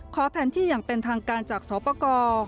แผนที่อย่างเป็นทางการจากสปกร